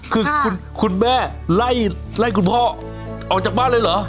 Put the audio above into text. คือคุณแม่ไล่คุณพ่อออกจากบ้านเลยเหรอ